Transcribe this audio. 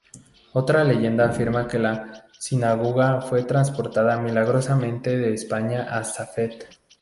Otra leyenda afirma que la sinagoga fue transportada "milagrosamente" de España a Safed.